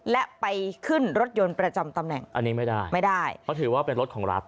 และไปขึ้นรถยนต์ประจำตำแหน่งอันนี้ไม่ได้ไม่ได้เพราะถือว่าเป็นรถของรัฐ